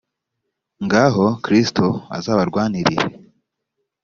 ngaho kristo azabarwanirire